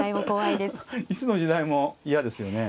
いつの時代も嫌ですよね。